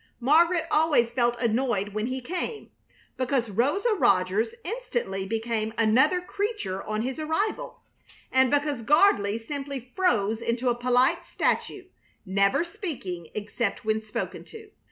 Margaret always felt annoyed when he came, because Rosa Rogers instantly became another creature on his arrival, and because Gardley simply froze into a polite statue, never speaking except when spoken to.